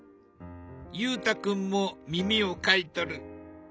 裕太君も耳を描いとる。